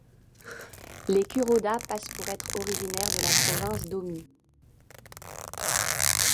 Les Kuroda passent pour être originaires de la province d'Ōmi.